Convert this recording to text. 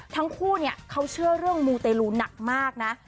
ทั้งคู่เนี่ยเขาเชื่อเรื่องมูเตลูหนักมากนะ